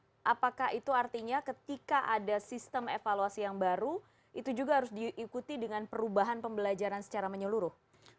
apakah itu artinya ketika ada sistem evaluasi yang baru itu juga harus diikuti dengan perubahan pembelajaran secara menyeluruh